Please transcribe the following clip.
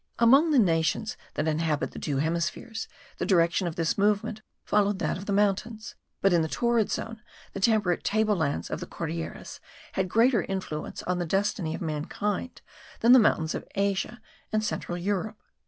Among the nations that inhabit the two hemispheres, the direction of this movement followed that of the mountains; but in the torrid zone the temperate table lands of the Cordilleras had greater influence on the destiny of mankind, than the mountains of Asia and central Europe.